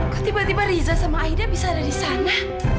kok tiba tiba riza sama aida bisa ada di sana